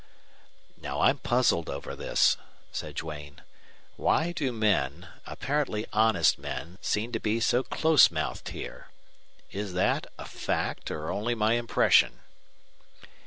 "Now I'm puzzled over this," said Duane. "Why do men apparently honest men seem to be so close mouthed here? Is that a fact, or only my impression?"